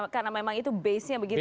karena memang itu basenya begitu